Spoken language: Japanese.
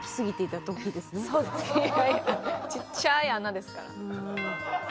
いやいやちっちゃい穴ですから。